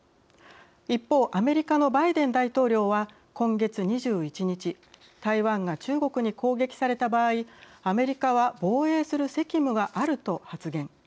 一方、アメリカのバイデン大統領は今月２１日台湾が中国に攻撃された場合アメリカは防衛する責務があると発言。